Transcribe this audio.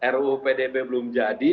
ruu pdp belum jadi